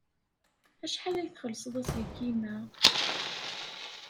Acḥal ay txellṣed aselkim-a?